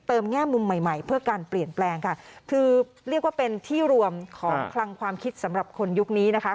แง่มุมใหม่ใหม่เพื่อการเปลี่ยนแปลงค่ะคือเรียกว่าเป็นที่รวมของคลังความคิดสำหรับคนยุคนี้นะคะ